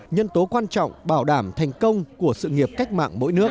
nhân tố quan trọng bảo đảm thành công của sự nghiệp cách mạng mỗi nước